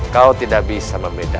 kau tidak bisa membedakan